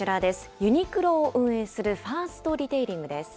ユニクロを運営するファーストリテイリングです。